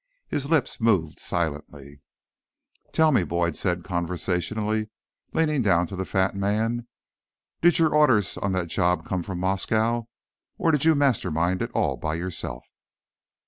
His lips moved silently. "Tell me," Boyd said conversationally, leaning down to the fat man. "Did your orders on that job come from Moscow, or did you mastermind it all by yourself?"